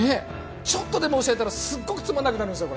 ちょっとでも教えたらすごくつまんなくなるんですよ。